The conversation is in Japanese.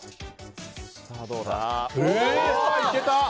いけた！